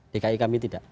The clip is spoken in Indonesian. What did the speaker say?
dki kami tidak